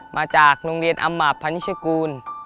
มาจากโรงเรียนอำมาตพันนิชกูล